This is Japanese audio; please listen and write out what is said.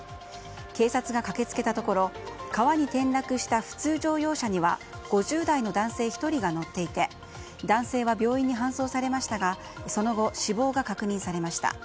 警察が駆け付けたところ川に転落した普通乗用車には５０代の男性１人が乗っていて男性は病院に搬送されましたがその後、死亡が確認されました。